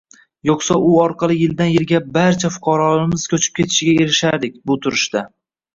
yo‘qsa u orqali yildan yilga baaaarcha fuqarolarimiz ko‘chib ketishiga erishardik bu turishda...